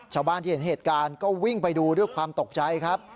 ชาวบ้านที่เห็นเหตุการณ์ก็วิ่งไปดูด้วยความตกใจครับ